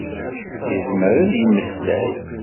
Yezmer ad yemmeslay.